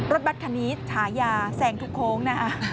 รถบัตรคณีตหายาแสงทุกโค้งนะ